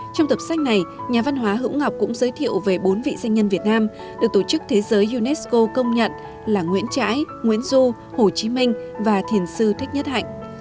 trong tập sách này nhà văn hóa hữu ngọc cũng giới thiệu về bốn vị doanh nhân việt nam được tổ chức thế giới unesco công nhận là nguyễn trãi nguyễn du hồ chí minh và thiền sư thích nhất hạnh